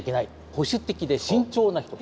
保守的で慎重な人。